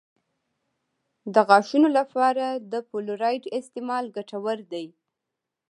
د غاښونو لپاره د فلورایډ استعمال ګټور دی.